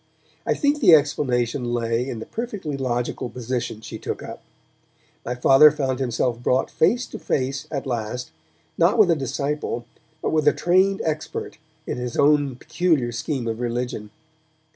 I think the explanation lay in the perfectly logical position she took up. My Father found himself brought face to face at last, not with a disciple, but with a trained expert in his own peculiar scheme of religion.